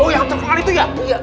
oh yang terpengaruh itu ya